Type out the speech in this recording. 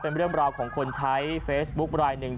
เป็นเรื่องราวของคนใช้เฟซบุ๊คลายหนึ่ง